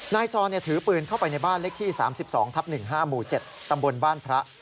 ซอนถือปืนเข้าไปในบ้านเลขที่๓๒ทับ๑๕หมู่๗ตำบลบ้านพระ